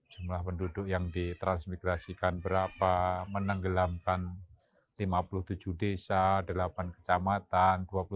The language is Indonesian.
jumlah penduduk yang ditransmigrasikan berapa menenggelamkan lima puluh tujuh desa delapan kecamatan